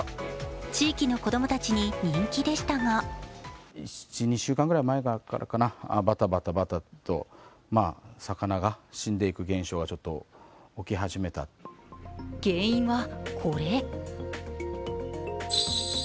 地域の子供たちに人気でしたが原因は、これ。